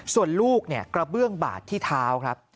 ส่วนลูกเนี่ยกระเบื้องบาดที่เท้าครับ